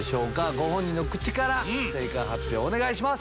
ご本人から正解発表お願いします。